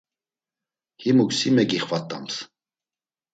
Himuk si megixvat̆ams.